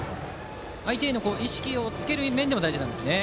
相手への意識をつける面でも大事なんですね。